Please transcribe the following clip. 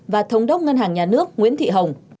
và thống đốc ngân hàng nhà nước nguyễn thị hồng